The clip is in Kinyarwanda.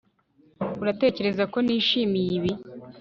uratekereza ko nishimiye ibi